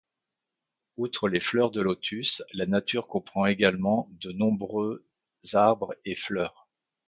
Outre les fleurs de lotus, la nature comprend également de nombreux arbres et fleurs.